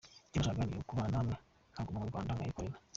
Icyo yashakaga ni ukubana namwe, nkaguma mu Rwanda nkayikorera.